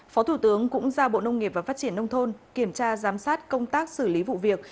phó thủ tướng cũng giao bộ nông nghiệp và phát triển nông thôn kiểm tra giám sát công tác xử lý vụ việc